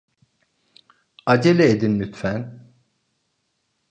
Acele edin lütfen.